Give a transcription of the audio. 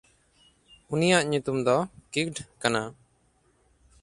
ᱩᱱᱤᱭᱟᱜ ᱧᱩᱛᱩᱢ ᱫᱚ ᱠᱤᱜᱷᱴ ᱠᱟᱱᱟ᱾